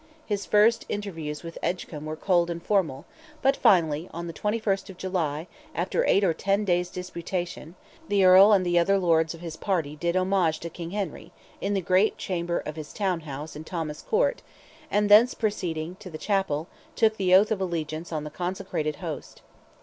His first interviews with Edgecombe were cold and formal, but finally on the 21st of July, after eight or ten days' disputation, the Earl and the other lords of his party did homage to King Henry, in the great chamber of his town house in Thomas Court, and thence proceeding to the chapel, took the oath of allegiance on the consecrated host.